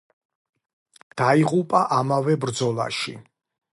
დაიღუპა ამავე ბრძოლაში.